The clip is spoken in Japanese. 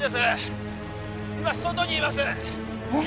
今外にいますえっ？